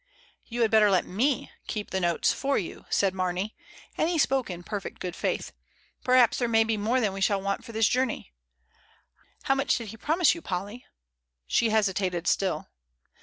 "You had better let me keep the notes for you," said Marney (and he spoke in perfect good faith); "perhaps there may be more than we shall want for the journey. How much did he promise you, Polly?" She hesitated still.